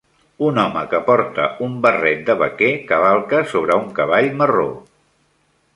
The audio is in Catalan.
Un home que porta un barret de vaquer cavalca sobre un cavall marró.